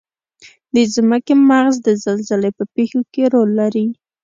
د ځمکې مغز د زلزلې په پیښو کې رول لري.